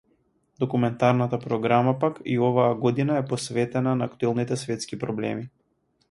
Документарната програма, пак, и годинава е посветена на актуелните светски проблеми.